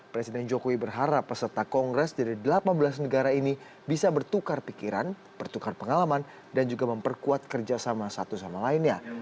presiden jokowi berharap peserta kongres dari delapan belas negara ini bisa bertukar pikiran bertukar pengalaman dan juga memperkuat kerjasama satu sama lainnya